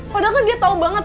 padahal kan dia tau banget